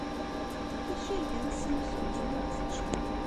D acu ay yeɣs yimsujji ad t-ččeɣ?